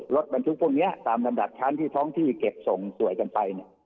รถมันทุกพวกเนี้ยตามดันดัดชั้นที่ท้องที่เก็บส่งสวยกันไปเนี่ย